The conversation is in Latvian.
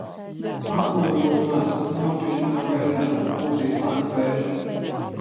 Mākoņu būs maz, nokrišņi nav gaidāmi, pūtīs lēns vējš.